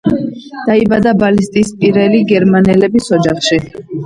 დაიბადა ბალტიისპირელი გერმანელების ოჯახში.